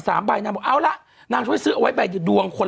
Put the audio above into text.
ใบนางบอกเอาล่ะนางช่วยซื้อเอาไว้ใบดวงคน